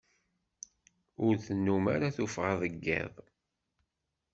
Ur tennum ara tuffɣa deg iḍ.